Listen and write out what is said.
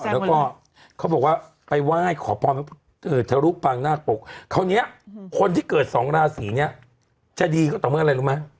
แล้วก็เขาบอกว่าไปว่ายขอบรอนใหม่พวันคนที่เกิดสองราศะีนี้จะดีก็ต้องแม้รู้มั้ย